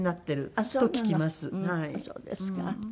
あっそうですか。